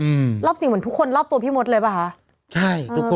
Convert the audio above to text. อืมรอบสี่เหมือนทุกคนรอบตัวพี่มดเลยป่ะคะใช่ทุกคน